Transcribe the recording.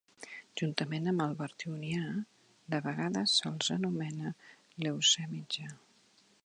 Juntament amb el Bartonià, de vegades se'ls anomena l'Eocè mitjà.